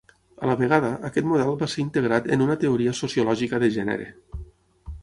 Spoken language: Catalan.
A la vegada, aquest model va ser integrat en una teoria sociològica de gènere.